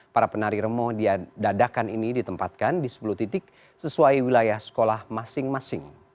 para penari remo dia dadakan ini ditempatkan di sepuluh titik sesuai wilayah sekolah masing masing